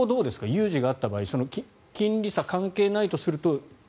有事があった場合金利差が関係ないとすると。